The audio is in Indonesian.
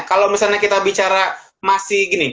kalau misalnya kita bicara masih gini